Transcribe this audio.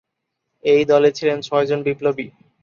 এই দলে ছিলেন ছয়জন বিপ্লবী।